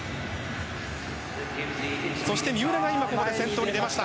そして三浦が今、先頭に出ました。